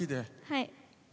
はい。